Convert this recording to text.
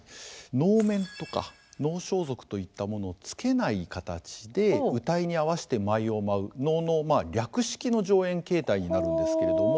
能面とか能装束といったものをつけない形で謡に合わせて舞を舞う能の略式の上演形態になるんですけれども。